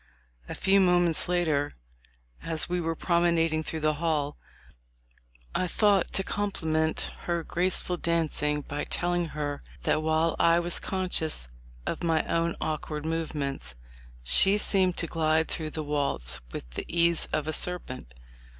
A few moments later, as we were promenading through the hall, I thought to com pliment her graceful dancing by telling her that while I was conscious of my own awkward move ments, she seemed to glide through the waltz with the ease of a serpent.